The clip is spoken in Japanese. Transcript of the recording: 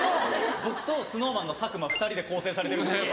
僕とＳｎｏｗＭａｎの佐久間２人で構成されてるんですけど。